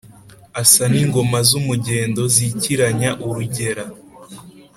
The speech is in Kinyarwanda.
Asa n'ingoma z'umugendo Zikiranya urugera